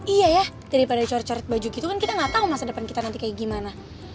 iya ya daripada cor coret baju gitu kan kita gak tahu masa depan kita nanti kayak gimana